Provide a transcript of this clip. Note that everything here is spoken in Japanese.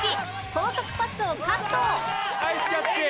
高速パスをカットナイスキャッチ！